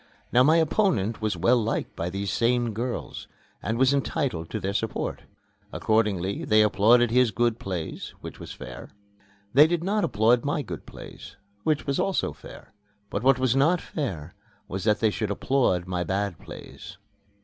Now my opponent was well liked by these same girls and was entitled to their support. Accordingly they applauded his good plays, which was fair. They did not applaud my good plays, which was also fair. But what was not fair was that they should applaud my bad plays.